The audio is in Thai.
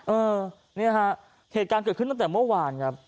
เออเนี่ยฮะเหตุการณ์เกิดขึ้นตั้งแต่เมื่อวานครับ